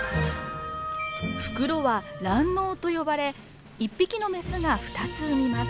袋は卵のうと呼ばれ１匹のメスが２つ産みます。